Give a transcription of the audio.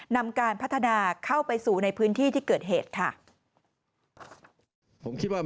นำการพัฒนาเข้าไปสู่ในพื้นที่ที่เกิดเหตุค่ะ